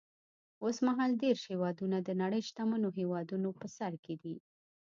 اوس مهال دېرش هېوادونه د نړۍ شتمنو هېوادونو په سر کې دي.